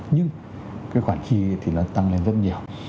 nhưng cái khoản chi thì nó tăng lên rất nhiều